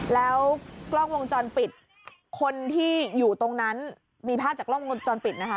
แล้วกล้องวงจรปิดคนที่อยู่ตรงนั้นมีภาพจากกล้องวงจรปิดนะคะ